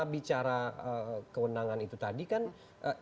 bicara kewenangan itu tadi kan